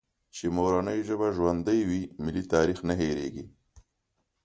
چي مورنۍ ژبه ژوندۍ وي، ملي تاریخ نه هېرېږي.